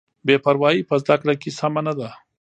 بې پروایي په زده کړه کې سمه نه ده.